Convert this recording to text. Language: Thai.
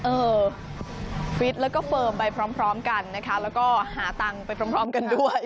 เออฟิตแล้วก็เฟิร์มไปพร้อมกันนะคะแล้วก็หาตังค์ไปพร้อมกันด้วย